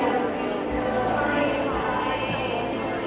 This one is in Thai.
ขอบคุณทุกคนมากครับที่ทุกคนรัก